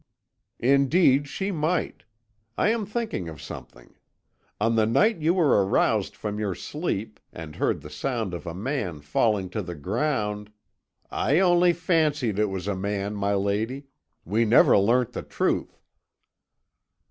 "Indeed she might. I am thinking of something. On the night you were aroused from your sleep, and heard the sound of a man falling to the ground " "I only fancied it was a man, my lady; we never learnt the truth."